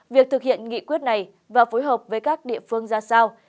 việc thực hiện nghị quyết này và phối hợp với các địa phương ra sao